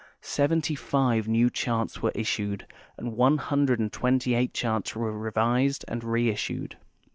Seventy five new charts were issued and one hundred and twenty eight charts were revised and reissued.